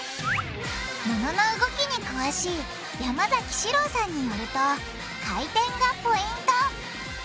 モノの動きに詳しい山崎詩郎さんによると回転がポイント！